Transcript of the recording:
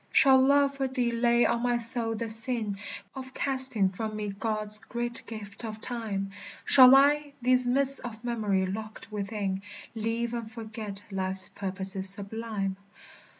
Shall love for thee lay on my soul the sin Of casting from me God's great gift of time? Shall I, these mists of memory locked within, Leave and forget life's purposes sublime?